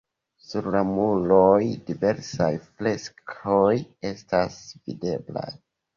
Sur la muroj diversaj freskoj estas videblaj.